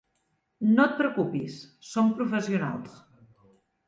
No et preocupis, som professionals.